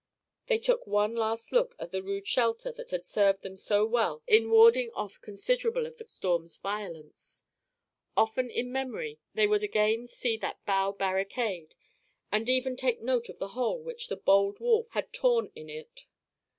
They took one last look at the rude shelter that had served them so well in warding off considerable of the storm's violence. Often in memory they would again see that bough barricade; and even take note of the hole which the bold wolf had torn in it.